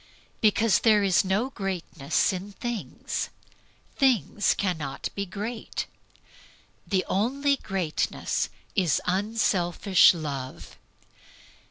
Because there is no greatness in things. Things cannot be great. The only greatness is unselfish love.